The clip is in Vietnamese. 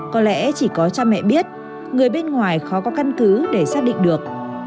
có lẽ chỉ có cha mẹ biết người bên ngoài khó có căn cứ để xác định được